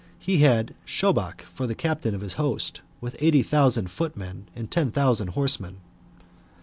He had Shobach for the captain of his host, with eighty thousand footmen, and ten thousand horsemen.